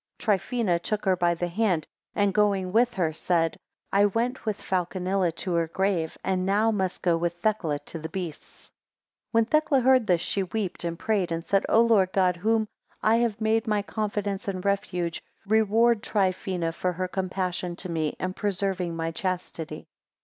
Trifina took her by the hand, and, going with her, said: I went with Falconilla to her grave, and now must go with Thecla to the beasts. 11 When Thecla heard this, she weeping prayed, and said: O Lord God, whom I have made my confidence and refuge, reward Trifina for her compassion to me, and preserving my chastity.